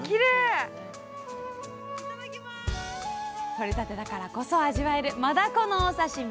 とれたてだからこそ味わえるマダコのお刺身！